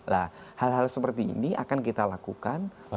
nah hal hal seperti ini akan kita lakukan